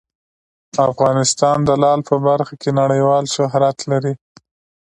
افغانستان د لعل په برخه کې نړیوال شهرت لري.